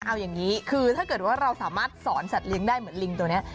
เอาอย่างนี้คือถ้าเกิดว่าเราสามารถสอนสัตว์เลี้ยงได้เหมือนลิงตัวนี้